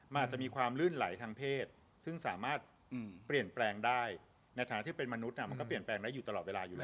มันอาจจะมีความลื่นไหลทางเพศซึ่งสามารถเปลี่ยนแปลงได้ในฐานะที่เป็นมนุษย์มันก็เปลี่ยนแปลงได้อยู่ตลอดเวลาอยู่แล้ว